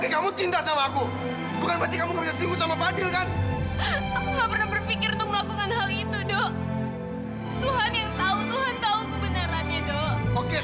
edo kamu harus dengerin aku dulu edo